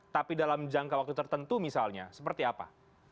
tapi dalam jangka waktu tertentu misalnya seperti apa